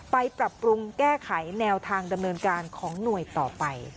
ปรับปรุงแก้ไขแนวทางดำเนินการของหน่วยต่อไป